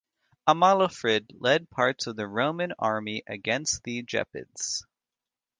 Amalafrid led part of the Roman army against the Gepids.